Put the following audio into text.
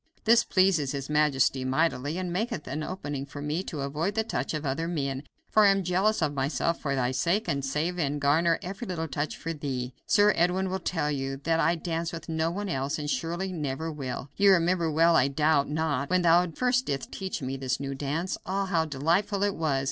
This pleases his majesty mightily, and maketh an opening for me to avoid the touch of other men, for I am jealous of myself for thy sake, and save and garner every little touch for thee.... Sir Edwin will tell you I dance with no one else and surely never will. You remember well, I doubt not, when thou first didst teach me this new dance. Ah! how delightful it was!